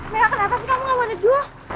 mega kenapa sih kamu gak mau nejuh